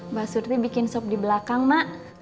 mbak surti bikin sop di belakang mbak